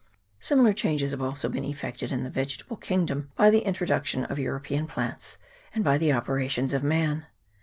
Similar changes have also been effected in the vege table kingdom by the introduction of European plants and by the operations of man.